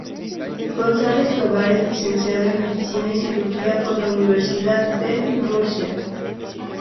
González Tovar es licenciado en Medicina y Cirugía por la Universidad de Murcia.